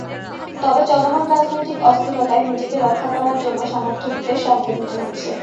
তবে চলমান রাজনৈতিক অস্থিরতায় নিজেকে রক্ষা করার জন্য সমর্থকদের সঙ্গে নিতে হচ্ছে।